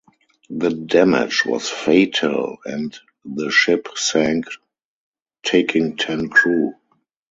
The damage was fatal and the ship sank taking ten crew.